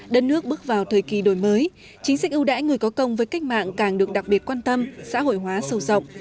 đất nước bước vào thời kỳ đổi mới chính sách ưu đãi người có công với cách mạng càng được đặc biệt quan tâm xã hội hóa sâu rộng